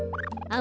あ。